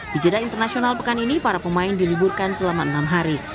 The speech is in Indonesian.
di jeddah internasional pekan ini para pemain diliburkan selama enam hari